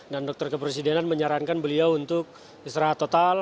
dan dokter kepresidenan menyarankan beliau untuk istirahat total